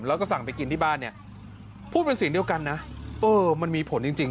แล้วก็สั่งไปกินที่บ้านเนี่ยพูดเป็นเสียงเดียวกันนะเออมันมีผลจริง